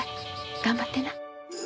頑張ってな。